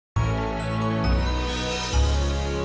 sampai jumpa di video selanjutnya